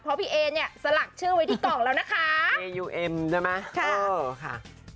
เพราะพี่เอเนี่ยสลักชื่อไว้ที่กล่องแล้วนะคะเอยูเอ็มใช่ไหมเออค่ะ